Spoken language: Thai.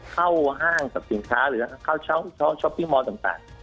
เข้าห้างกับสินค้าหรือเข้าช้อปิ้งมอลต่าง